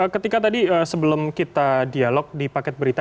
ketika tadi sebelum kita dialog di paket berita